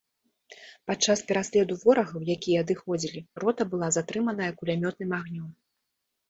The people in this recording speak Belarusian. Падчас пераследу ворагаў, якія адыходзілі, рота была затрыманая кулямётным агнём.